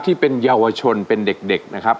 ที่เป็นเยาวชนเป็นเด็กนะครับ